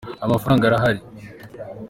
amafaranaga arahari